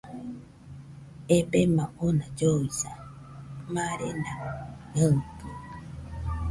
Ebema ona lloisa, marena naɨtɨo.